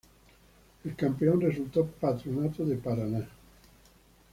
El Campeón resultó Patronato de Paraná